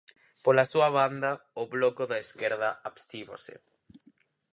Pola súa banda, o Bloco de Esquerda abstívose.